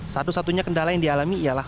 satu satunya kendala yang dialami ialah